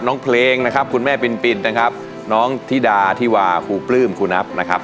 น้องเพลงนะครับคุณแม่ปินนะครับน้องธิดาธิวาครูปลื้มครูนับนะครับ